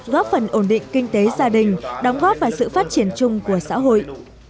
góp phần ổn định kinh tế gia đình đóng góp vào sự phát triển chung của xã hội